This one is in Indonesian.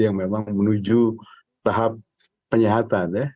yang memang menuju tahap penyihatan ya